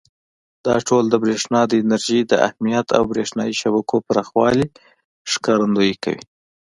دا ټول د برېښنا د انرژۍ د اهمیت او برېښنایي شبکو پراخوالي ښکارندويي کوي.